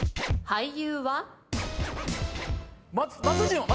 俳優は？